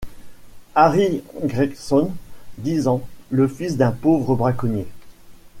Harry Gregson, dix ans, le fils d’un pauvre braconnier.